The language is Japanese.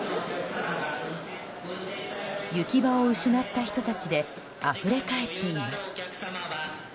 行き場を失った人たちであふれ返っています。